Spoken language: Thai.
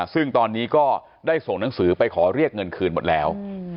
ซึ่งตอนนี้ก็ได้ส่งหนังสือไปขอเรียกเงินคืนหมดแล้ว